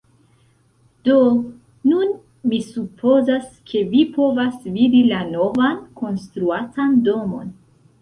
Do, nun mi supozas, ke vi povas vidi la novan, konstruatan domon